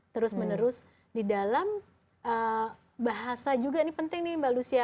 terus menerus di dalam bahasa juga ini penting nih mbak lucia